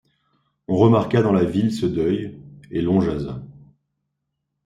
On remarqua dans la ville ce deuil, et l’on jasa.